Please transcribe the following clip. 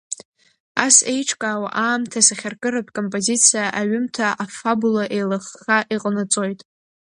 Ас еиҿкаау аамҭа-сахьаркыратә композициа аҩымҭа афабула еилыхха иҟанаҵоит.